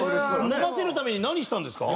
飲ませるために何したんですか？